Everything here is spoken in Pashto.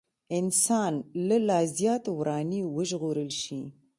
انسان له لا زيات وراني وژغورل شي.